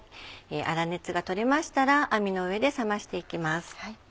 粗熱が取れましたら網の上で冷ましていきます。